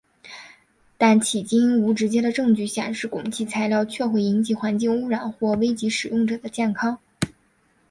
但迄今无直接的证据显示汞齐材料确会引起环境污染或危及使用者的健康。